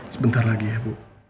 sebentar lagi ya bu